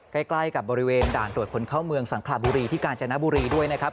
ใกล้กับบริเวณด่านตรวจคนเข้าเมืองสังขลาบุรีที่กาญจนบุรีด้วยนะครับ